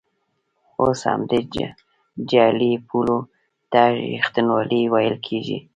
اوس همدې جعلي پولو ته ریښتینولي ویل کېږي.